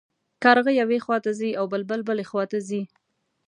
کارغه یوې خوا ته ځي او بلبل بلې خوا ته ځي.